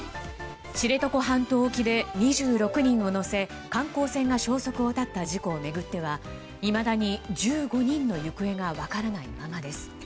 知床半島沖で２６人を乗せ観光船が消息を絶った事故を巡ってはいまだに１５人の行方が分からないままです。